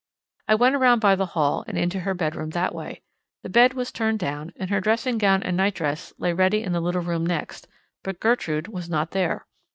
I went around by the hall and into her bedroom that way. The bed was turned down, and her dressing gown and night dress lay ready in the little room next, but Gertrude was not there.